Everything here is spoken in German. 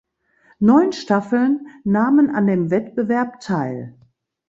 Neun Staffeln nahmen an dem Wettbewerb teil.